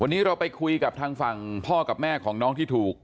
วันนี้เราไปคุยกับทางฝั่งพ่อกับแม่ของน้องที่ถูก